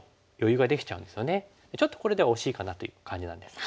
ちょっとこれでは惜しいかなという感じなんです。